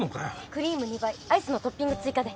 クリーム２倍アイスのトッピング追加で。